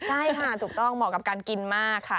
ใช่ค่ะถูกต้องเหมาะกับการกินมากค่ะ